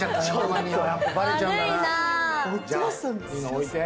置いて。